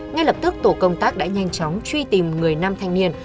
ngay lập tức tổ công tác đã nhanh chóng truy tìm người nam thanh niên